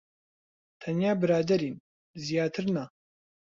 تەنیا برادەرین. زیاتر نا.